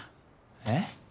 えっ？